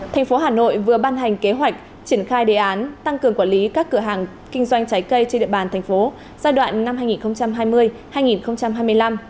thành phố hà nội vừa ban hành kế hoạch triển khai đề án tăng cường quản lý các cửa hàng kinh doanh trái cây trên địa bàn thành phố giai đoạn năm hai nghìn hai mươi hai nghìn hai mươi năm